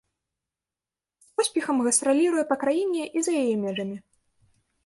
З поспехам гастраліруе па краіне і за яе межамі.